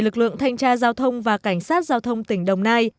lực lượng thanh tra giao thông và cảnh sát giao thông tỉnh đồng nai